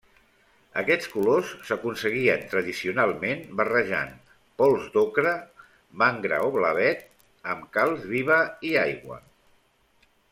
Aquests colors s'aconseguien tradicionalment barrejant pols d'ocre, mangra o blavet amb calç viva i aigua.